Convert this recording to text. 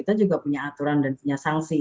kita juga punya aturan dan punya sanksi